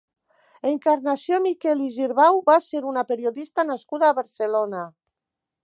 Encarnació Miquel i Girbau va ser una periodista nascuda a Barcelona.